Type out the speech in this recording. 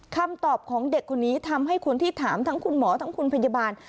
คำตอบของเด็กคนนี้ทำให้คนที่ถามทั้งคุณหมอทั้งคุณพยาบาล